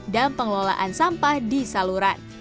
dan pengelolaan sampah di saluran